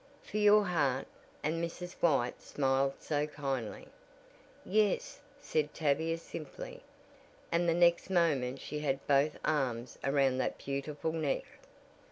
"For your heart?" and Mrs. White smiled so kindly. "Yes," said Tavia simply, and the next moment she had both arms around that beautiful neck.